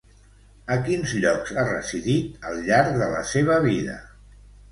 A quins llocs ha residit al llarg de la seva vida?